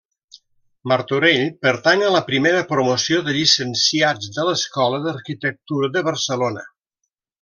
Martorell pertany a la primera promoció de llicenciats de l'Escola d'Arquitectura de Barcelona.